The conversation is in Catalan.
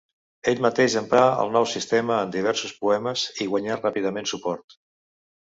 Ell mateix emprà el nou sistema en diversos poemes i guanyà ràpidament suport.